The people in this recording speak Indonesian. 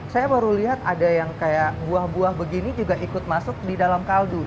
saya baru lihat ada yang kayak buah buah begini juga ikut masuk di dalam kaldu